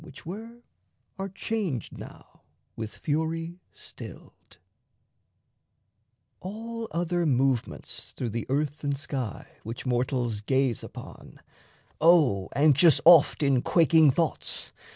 Which were, are changed now, with fury stilled; All other movements through the earth and sky Which mortals gaze upon (O anxious oft In quaking thoughts!)